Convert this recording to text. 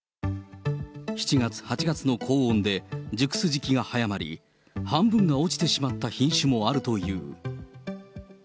７月、８月の高温で、熟す時期が早まり、半分が落ちてしまった品種もあるという。